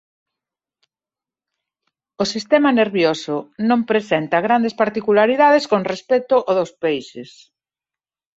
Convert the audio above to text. O sistema nervioso non presenta grandes particularidades con respecto ao dos peixes.